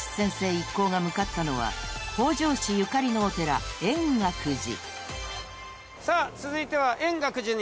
一行が向かったのは北条氏ゆかりのお寺円覚寺］さあ続いては。